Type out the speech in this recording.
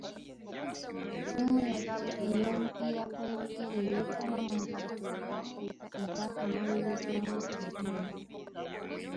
Ttiimu yaffe ey'omupiira gw'ebigere yeetaba mu mpaka za Africa ez'akamalirirzo omwaka oguwedde.